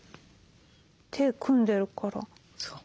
手組んでるから。